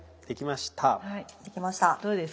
できました。